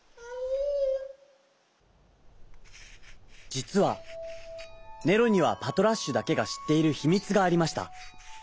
じつはネロにはパトラッシュだけがしっているひみつがありました。